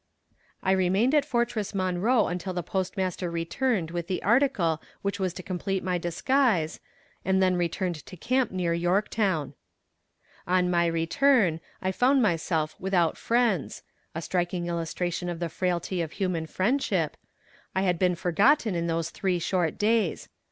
I remained at Fortress Monroe until the Postmaster returned with the article which was to complete my disguise, and then returned to camp near Yorktown. On my return, I found myself without friends a striking illustration of the frailty of human friendship I had been forgotten in those three short days.